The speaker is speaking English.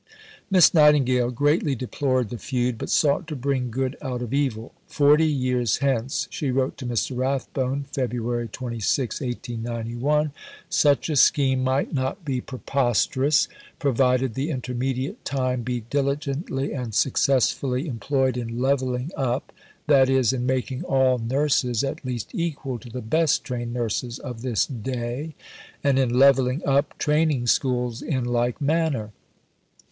Miss Nightingale greatly deplored the feud, but sought to bring good out of evil. "Forty years hence," she wrote to Mr. Rathbone (Feb. 26, 1891), "such a scheme might not be preposterous, provided the intermediate time be diligently and successfully employed in levelling up, that is, in making all nurses at least equal to the best trained nurses of this day, and in levelling up Training Schools in like manner."